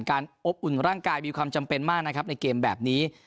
การอบอุ่นร่างกายมีความจำเป็นมากนะครับในเกมแบบนี้